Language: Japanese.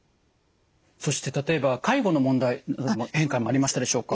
そして例えば介護の問題にも変化がありましたでしょうか？